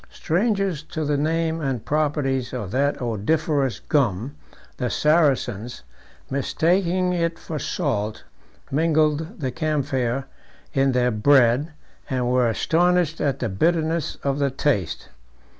Strangers to the name and properties of that odoriferous gum, the Saracens, mistaking it for salt, mingled the camphire in their bread, and were astonished at the bitterness of the taste.